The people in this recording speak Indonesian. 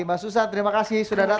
mbak susan terima kasih sudah datang